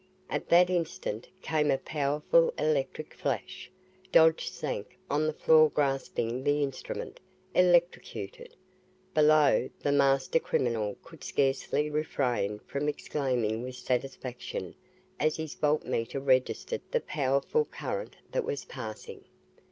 At that instant came a powerful electric flash. Dodge sank on the floor grasping the instrument, electrocuted. Below, the master criminal could scarcely refrain from exclaiming with satisfaction as his voltmeter registered the powerful current that was passing.